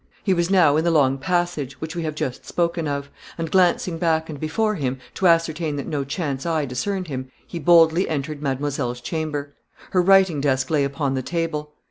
He was now in the long passage, which we have just spoken of, and glancing back and before him, to ascertain that no chance eye discerned him, he boldly entered mademoiselle's chamber. Her writing desk lay upon the table.